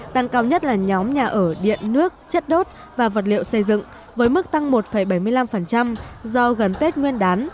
tăng cao nhất là nhóm nhà ở điện nước chất đốt và vật liệu xây dựng với mức tăng một bảy mươi năm do gần tết nguyên đán